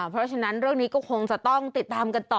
เพราะฉะนั้นเรื่องนี้ก็คงจะต้องติดตามกันต่อ